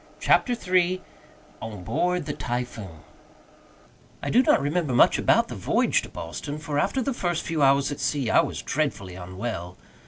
Chapter Three On Board the Typhoon I do not remember much about the voyage to Boston, for after the first few hours at sea I was dreadfully unwell.